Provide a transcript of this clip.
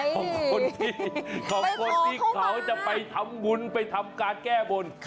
ของคนที่เขาจะไปทำการแก้บน